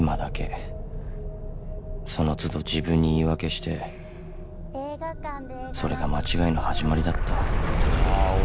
その都度自分に言い訳してそれが間違いの始まりだった